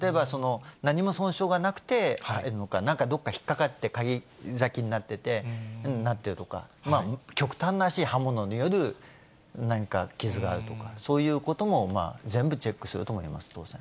例えば何も損傷がなくてなのか、なんかどこか引っ掛かって、かぎざきになってとか、極端な話、刃物による何か、傷があるとか、そういうことも全部チェックすると思います、当然。